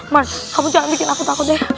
mas kamu jangan bikin aku takut deh